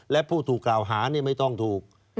และผู้ถูกกล่าวหาไม่ต้องถูก